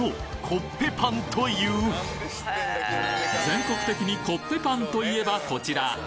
全国的にコッペパンといえばこちら！